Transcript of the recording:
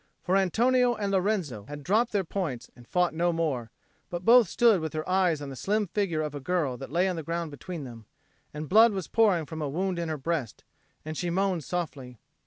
For Antonio and Lorenzo had dropped their points and fought no more; but both stood with their eyes on the slim figure of a girl that lay on the ground between them; and blood was pouring from a wound in her breast, and she moaned softly.